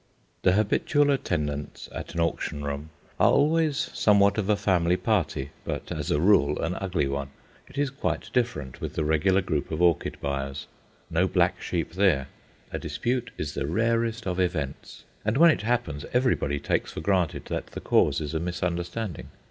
The habitual attendants at an auction room are always somewhat of a family party, but, as a rule, an ugly one. It is quite different with the regular group of orchid buyers. No black sheep there. A dispute is the rarest of events, and when it happens everybody takes for granted that the cause is a misunderstanding.